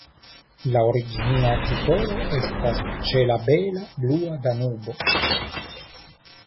La origina titolo estas Ĉe la bela blua Danubo.